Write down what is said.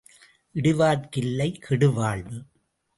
இடுவார்க்கு இல்லை கெடுவாழ்வு.